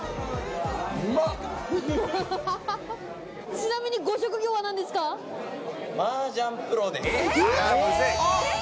ちなみにご職業はマージャンプロです。